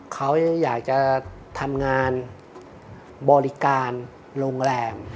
เขาอยากจะทำงานบริการโรงแรม